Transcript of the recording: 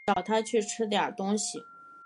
找她去吃点东西